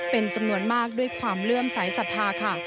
เป็นจำนวนมากด้วยความเลื่อมสายศรัทธาค่ะ